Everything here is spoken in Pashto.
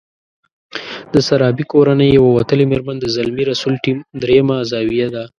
د سرابي کورنۍ يوه وتلې مېرمن د زلمي رسول ټیم درېيمه زاویه ده.